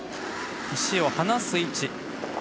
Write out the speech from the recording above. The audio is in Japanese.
石を放す位置。